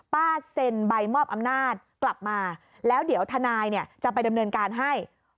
เซ็นใบมอบอำนาจกลับมาแล้วเดี๋ยวทนายเนี่ยจะไปดำเนินการให้